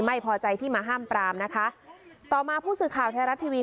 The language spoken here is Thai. ไม่พอใจที่มาห้ามปรามนะคะต่อมาผู้สื่อข่าวไทยรัฐทีวี